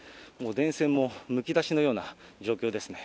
電線もむき出しのような状況ですね。